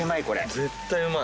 絶対うまい。